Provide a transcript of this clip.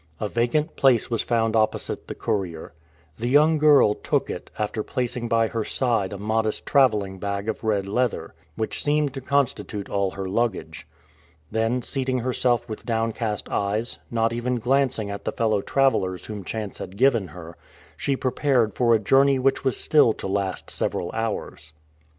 A vacant place was found opposite the courier. The young girl took it, after placing by her side a modest traveling bag of red leather, which seemed to constitute all her luggage. Then seating herself with downcast eyes, not even glancing at the fellow travelers whom chance had given her, she prepared for a journey which was still to last several hours.